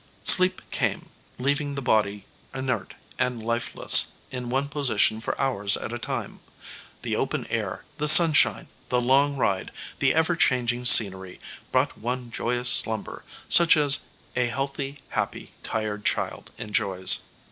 Sleep came, leaving the body inert and lifeless in one position for hours at a time. The open air, the sunshine, the long ride, the ever changing scenery, brought one joyous slumber, such as a healthy, happy, tired child enjoys.